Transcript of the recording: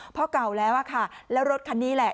เพราะเก่าแล้วอะค่ะแล้วรถคันนี้แหละ